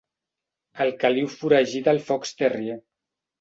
El caliu foragita el fox terrier.